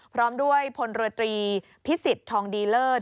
พร้อมด้วยพลเรือตรีพิสิทธิ์ทองดีเลิศ